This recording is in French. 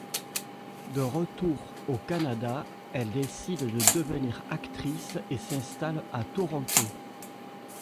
De retour au Canada, elle décide de devenir actrice et s'installe à Toronto.